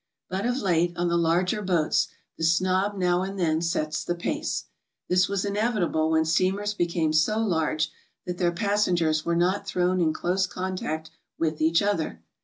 But of late on the larger boats, the snob now and then sets the pace. This was inevitable when steamers became so large that their passengers were not thrown in close contact with each other.